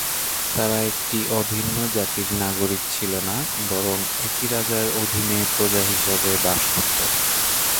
তারা একটি অভিন্ন জাতির নাগরিক ছিল না, বরং একই রাজার অধীনে প্রজা হিসেবে বাস করত।